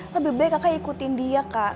lebih baik kakak ikutin dia kak